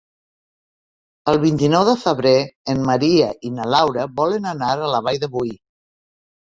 El vint-i-nou de febrer en Maria i na Laura volen anar a la Vall de Boí.